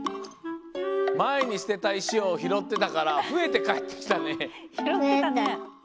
まえに捨てた石をひろってたからふえてかえってきたね。